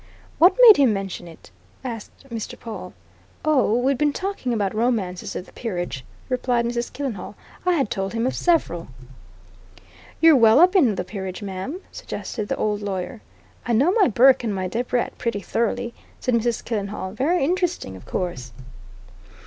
"What made him mention it?" asked Mr. Pawle. "Oh, we'd been talking about romances of the peerage," replied Mrs. Killenhall. "I had told him of several." "You're well up in the peerage, ma'am?" suggested the old lawyer. "I know my Burke and my Debrett pretty thoroughly," said Mrs. Killenhall. "Very interesting, of course."